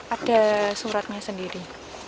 ada suratnya sendiri